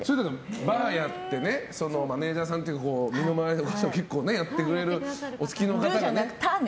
ばあやっていってマネジャーさんというか身の回りのことをやってくれるお付きの方がね。